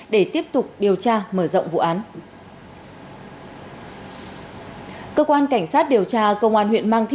để tiếp tục điều tra mở rộng vụ án